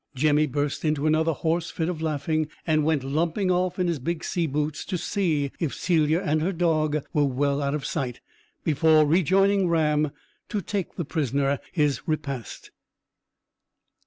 Jemmy burst into another hoarse fit of laughing, and went lumping off in his big sea boots to see if Celia and her dog were well out of sight, before rejoining Ram to take the prisoner his repast.